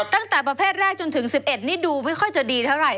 ตั้งแต่ประเภทแรกจนถึง๑๑นี่ดูไม่ค่อยจะดีเท่าไหร